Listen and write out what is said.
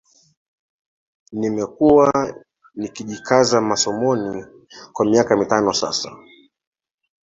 Nimekuwa nikijikaza masomoni kwa miaka mitano sasa